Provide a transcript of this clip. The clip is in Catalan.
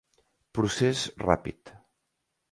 Procés ràpid.